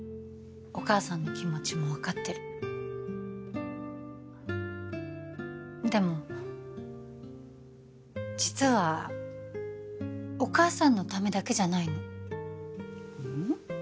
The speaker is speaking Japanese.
お母さんの気持ちも分かってるでも実はお母さんのためだけじゃないのうん？